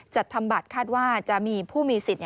ทำบัตรคาดว่าจะมีผู้มีสิทธิ์